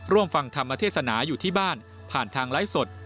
ร่วมฟังธรรมเทศนาอยู่ที่บ้านผ่านทางไลฟ์สด